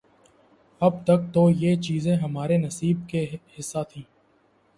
اب تک تو یہ چیزیں ہمارے نصیب کا حصہ تھیں۔